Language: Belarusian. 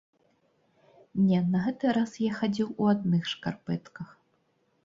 Не, на гэты раз я хадзіў у адных шкарпэтках.